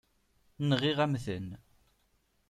Nɣiɣ-am-tent.